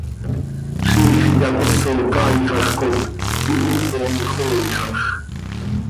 Ziix yacoso caaixaj cop ihipon xooixaj.